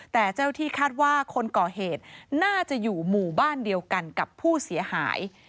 แต่เจ้าที่คาดว่าคนก่อเหตุน่าจะอยู่หมู่บ้านเดียวกันกับผู้เสียหาย